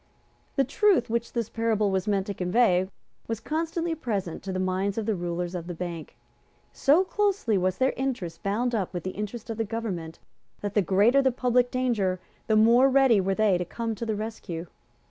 The truth which this parable was meant to convey was constantly present to the minds of the rulers of the Bank. So closely was their interest bound up with the interest of the government that the greater the public danger the more ready were they to come to the rescue.